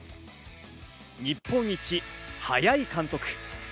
日本一速い監督。